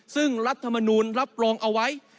ซึ่งรัฐมนูลรับรองเอาไว้